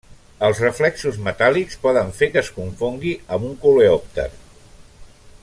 Els reflexos metàl·lics poden fer que es confongui amb un coleòpter.